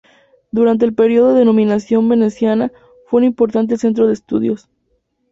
Durante el periodo de dominación veneciana fue un importante centro de estudios.